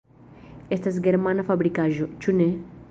Estas germana fabrikaĵo, ĉu ne?